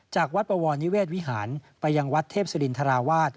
จากวัดปวรนิเวศวิหารไปยังวัดเทพศิรินทราวาส